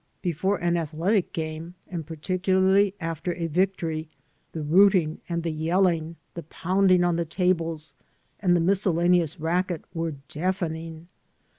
Before an athletic game, and particularly after a victory, the rooting and the yelling, the pounding on the tables and the miscellaneous racket were deafening.